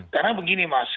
karena begini mas